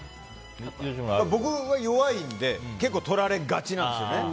僕は弱いので結構とられがちなんですね。